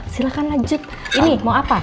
silahkan lanjut ini mau apa